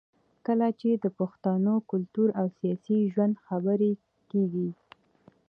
کله چې د پښتون کلتور او سياسي ژوند خبره کېږي